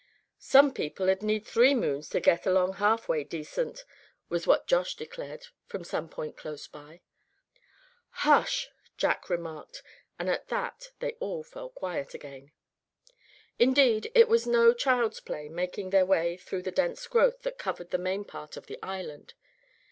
"Some people'd need three moons to get along half way decent," was what Josh declared from some point close by. "Hush!" Jack remarked, and at that they all fell quiet again. Indeed, it was no child's play making their way through the dense growth that covered the main part of the island.